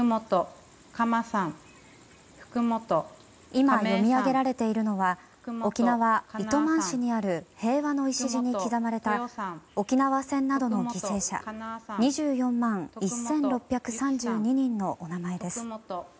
今読み上げられているのは沖縄県糸満市の平和の礎に刻まれた沖縄戦などの犠牲者２４万１６３２人のお名前です。